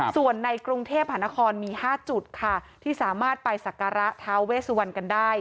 ส่วนในกรุงเทพหานครมี๕จุดค่ะที่สามารถไปสักการะท้าเวสวันกันได้